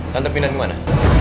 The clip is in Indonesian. tante pindah kemana